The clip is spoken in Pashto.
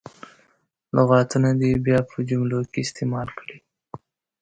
لغتونه دې بیا په جملو کې استعمال کړي.